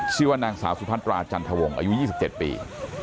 ชื่อว่านางสาวสุพัตราจันทวงศ์อายุ๒๗ปี